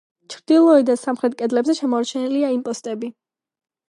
ჩრდილოეთ და სამხრეთ კედლებზე შემორჩენილია იმპოსტები.